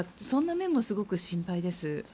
そんな面もすごく心配です。